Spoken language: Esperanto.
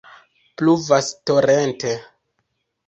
Pluvas torente.